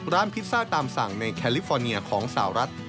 พิซซ่าตามสั่งในแคลิฟอร์เนียของสาวรัฐ